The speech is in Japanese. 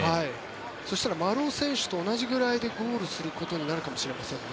そしたら丸尾選手と同じぐらいでゴールすることになるかもしれませんね。